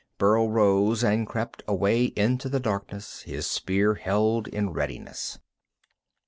Burl rose and crept away into the darkness, his spear held in readiness.